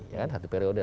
ya kan satu periode